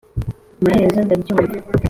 amaherezo ndabyumva